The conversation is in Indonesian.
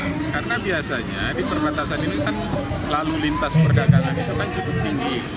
karena biasanya di perbatasan ini kan selalu lintas perdagangan itu kan cukup tinggi